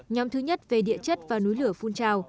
nhóm thứ nhất về địa chất và núi lửa phun trào